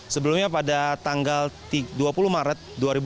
sebelumnya pada tanggal dua puluh maret dua ribu dua puluh